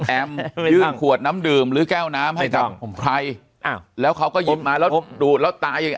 แอ้มยืดขวดน้ำดืมหรือแก้วน้ำไม่ต้องให้จ่าวไพรแล้วเขาก็ยิบมาแล้วดูดแล้วตาย